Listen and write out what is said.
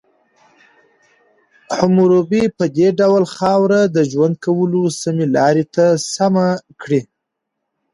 حموربي په دې ډول خاوره د ژوند کولو سمې لارې ته سمه کړه.